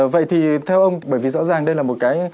vậy thì theo ông bởi vì rõ ràng đây là một cái